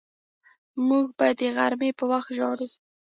موږ به د غرمې په وخت ژاړو